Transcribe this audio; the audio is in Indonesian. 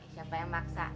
siapa yang maksa